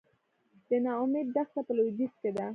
د نا امید دښته په لویدیځ کې ده